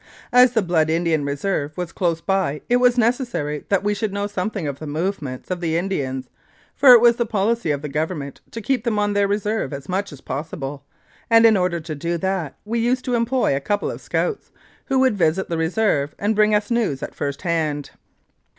As the Blood Indian Re serve was close by, it was necessary that we should know something of the movements of the Indians, for it was the policy of the Government to keep them on their Reserve as much as possible, and in order to do that we used to employ a couple of scouts, who could visit the Reserve and bring us news at first hand.